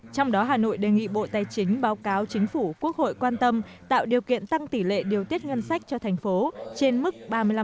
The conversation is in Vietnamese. trong đó hà nội đề nghị bộ tài chính báo cáo chính phủ quốc hội quan tâm tạo điều kiện tăng tỷ lệ điều tiết ngân sách cho thành phố trên mức ba mươi năm